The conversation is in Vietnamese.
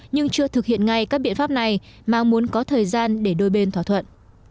nhưng chưa thực hiện ngay các biện pháp này mà muốn có thời gian để đôi bên thỏa thuận